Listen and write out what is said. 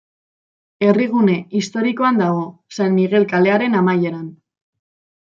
Herrigune historikoan dago, San Migel kalearen amaieran.